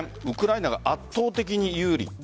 ウクライナが圧倒的に有利。